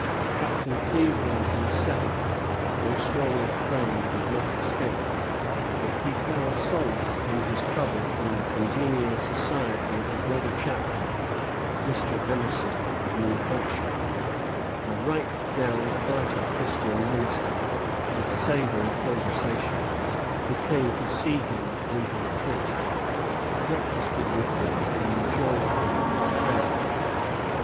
Chaplain Cleaveland himself, though strong of frame, did not escape; but he found solace in his trouble from the congenial society of a brother chaplain, Mr. Emerson, of New Hampshire, "a right down hearty Christian minister, of savory conversation," who came to see him in his tent, breakfasted with him, and joined him in prayer.